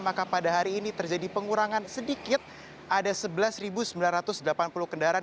maka pada hari ini terjadi pengurangan sedikit ada sebelas sembilan ratus delapan puluh kendaraan